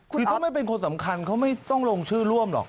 คือถ้าไม่เป็นคนสำคัญเขาไม่ต้องลงชื่อร่วมหรอก